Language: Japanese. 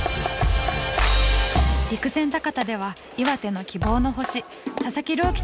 陸前高田では岩手の希望の星佐々木朗